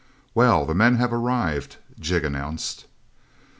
"Well, the men have arrived," Jig announced.